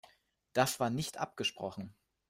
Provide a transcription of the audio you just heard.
Das war nicht abgesprochen!